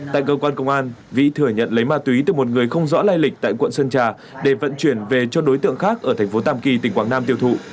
tại cơ quan công an vĩ thừa nhận lấy ma túy từ một người không rõ lai lịch tại quận sơn trà để vận chuyển về cho đối tượng khác ở thành phố tàm kỳ tỉnh quảng nam tiêu thụ